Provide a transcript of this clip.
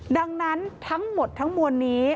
ดังนั้นทั้งหมดทั้งมวลนี้